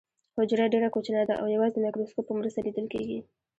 حجره ډیره کوچنۍ ده او یوازې د مایکروسکوپ په مرسته لیدل کیږي